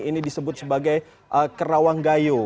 ini disebut sebagai kerawang gayo